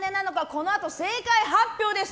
このあと正解発表です！